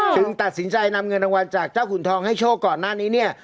ตัดสินใจนำเงินรางวัลจากเจ้าขุนทองให้โชคก่อนหน้านี้เนี่ย